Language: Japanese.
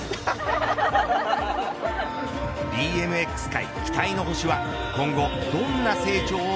ＢＭＸ界期待の星は今後、どんな成長を